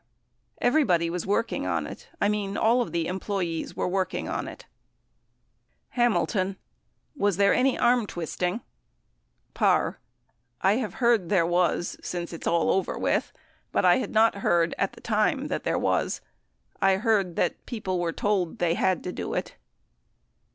Everybody was working on it. I mean, all of the employees were working on it. 73 *'■*.Hamilton. Was there any arm twisting ? Parr. I have heard there was, since it's all over with. But I had not heard at the time that there was. ... I heard that people were told they had to do it.